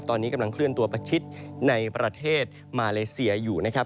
ตอนนี้กำลังเคลื่อนตัวประชิดในประเทศมาเลเซียอยู่นะครับ